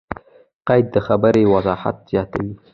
قید؛ د خبري وضاحت زیاتوي.